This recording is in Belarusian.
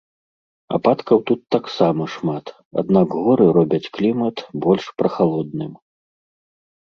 Ападкаў тут таксама шмат, аднак горы робяць клімат больш прахалодным.